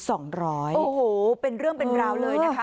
โอ้โหเป็นเรื่องเป็นราวเลยนะคะ